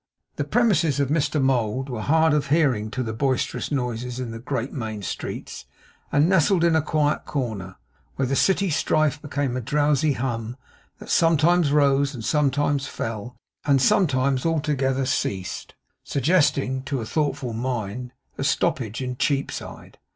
The premises of Mr Mould were hard of hearing to the boisterous noises in the great main streets, and nestled in a quiet corner, where the City strife became a drowsy hum, that sometimes rose and sometimes fell and sometimes altogether ceased; suggesting to a thoughtful mind a stoppage in Cheapside.